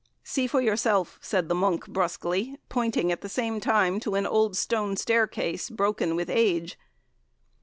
'See for yourself,' said the monk, brusquely, pointing at the same time to an old stone staircase, broken with age.